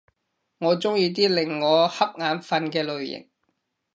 我鍾意啲令我瞌眼瞓嘅類型